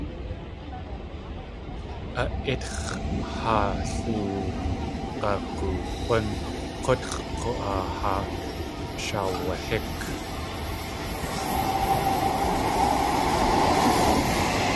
A ítx̲ haa loong̲agoog̲ún k̲útx̲ k̲u.aa haa shaawahík.